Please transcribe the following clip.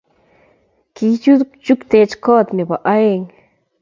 Kikichukteech koot nebo aeng.